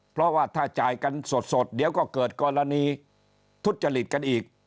เพราะว่าถ้าจ่ายกันสดเดี๋ยวก็เกิดกรณีทุจริตกันอีก